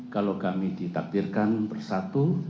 kalau kami ditaktirkan bersatu